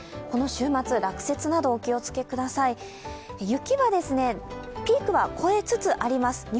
この週末、落雪などにお気をつけください、雪はピークは越えつつあります。